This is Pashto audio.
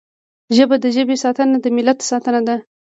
ژبه د ژبې ساتنه د ملت ساتنه ده